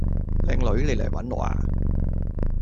靚女，你嚟搵我呀